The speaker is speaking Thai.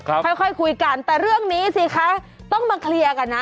ค่อยค่อยคุยกันแต่เรื่องนี้สิคะต้องมาเคลียร์กันนะ